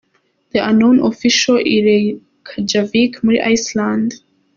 The Unknown Official” i Reykjavik muri Iceland.